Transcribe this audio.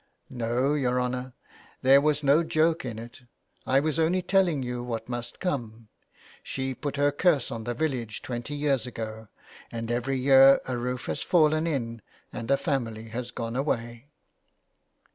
" No, your honour, there was no joke in it. I was only telling you what must come. She put her curse 213 JULIA CAHILL'S CURSE. on the village twenty years ago, and every year a roof has fallen in and a family has gone away."